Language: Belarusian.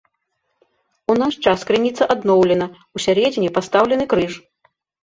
У наш час крыніца адноўлена, усярэдзіне пастаўлены крыж.